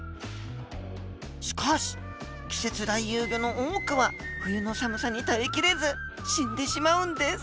しかし季節来遊魚の多くは冬の寒さに耐えきれず死んでしまうんです。